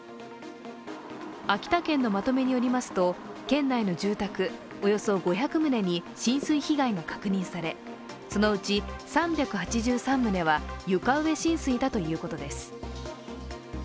秋田県のまとめによりますと県内の住宅およそ５００棟に浸水被害が確認され、そのうち３８３棟は床上浸水だということです。